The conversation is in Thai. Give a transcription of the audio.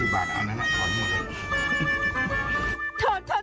๕๐บาทเอาหน่อยเขาให้หมดเลย